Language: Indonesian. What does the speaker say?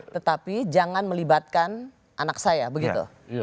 tetapi jangan melibatkan anak saya begitu